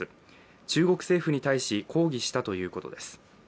中国政府に対し抗議したということです。